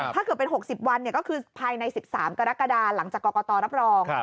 ถ้าเกิดเป็น๖๐วันก็คือภายใน๑๓กรกฎาหลังจากกรกตรับรอง